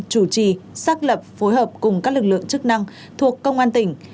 chủ trì xác lập phối hợp cùng các lực lượng chức năng thuộc công an tỉnh